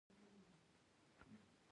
ښوونځي د ماشومانو راتلونکي جوړوي